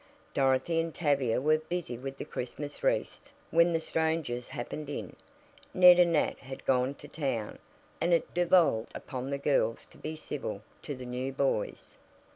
Dorothy and Tavia were busy with the Christmas wreaths when the strangers happened in. Ned and Nat had gone to town, and it devolved upon the girls to be "civil" to the new boys.